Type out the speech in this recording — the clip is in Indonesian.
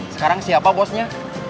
sekarang siapa bosnya